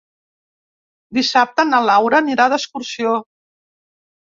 Dissabte na Laura anirà d'excursió.